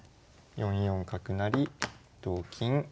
４四角成同金。